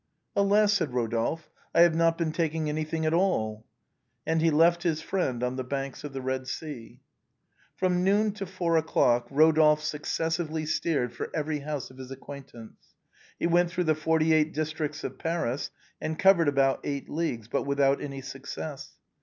"Alas !" said Rodolphe, " I have not been taking any thing at all." And he left his friend on the banks of the Red Sea. 120 THE BOHEMIANS OF THE LATIN QUARTER. From noon to four o'clock Rodolphe successively steered for every house of his acquaintance. He went through the forty eight districts of Paris, and covered about eight leagues, but without any success.